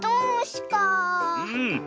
うん。